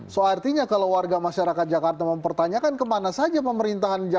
soal artinya kalau warga masyarakat jakarta mempertanyakan kemana saja pemerintahnya